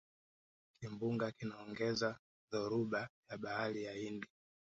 kimbunga kinaongeza dhoruba ya bahari ya hindi